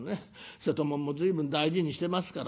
瀬戸物も随分大事にしてますからね